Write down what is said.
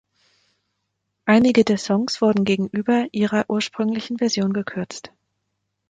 Einige der Songs wurden gegenüber ihrer ursprünglichen Version gekürzt.